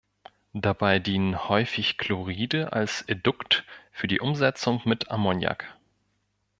Dabei dienen häufig Chloride als Edukt für die Umsetzung mit Ammoniak.